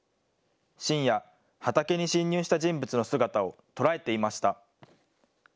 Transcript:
深夜、畑に侵入した人物の姿を捉えていました。